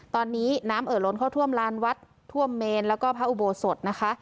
ตอนนี้น้ำเอ่อล้นเข้าท่วมลานวัดท่วมเมนแล้วก็พระอุโบสถนะคะ